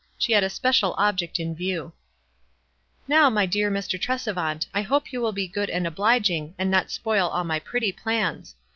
She had a special object in view. "Now, my dear Mr. Tresevant, I hope you will be good and obliging, and not spoil all my pretty plans.